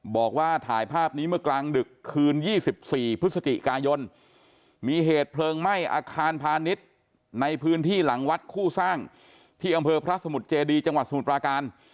บอกว่าถ่ายภาพนี้เมื่อกลางดึกคืน๒๔พฤศจิกายนมีเหตุเพลิงไหม้อาคารพาณิชย์ในพื้นที่หลังวัดคู่สร้างที่อำเภอพระสมุทรเจดีจังหวัดสมุทรปราการ